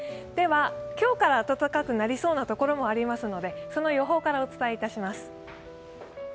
今日から暖かくなりそうな所もありますので、その予報からお伝えします。